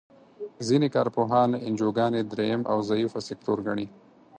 ځینې کار پوهان انجوګانې دریم او ضعیفه سکتور ګڼي.